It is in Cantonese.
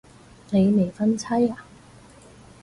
你未婚妻啊